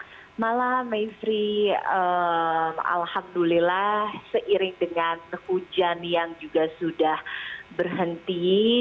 selamat malam mayfri alhamdulillah seiring dengan hujan yang juga sudah berhenti